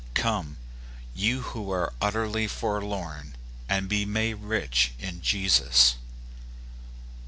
Come, you who are utterly forlorn, and be made rich in Jesus.